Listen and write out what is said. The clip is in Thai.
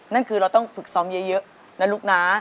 นั่นคือเราต้องฝึกซ้อมเยอะ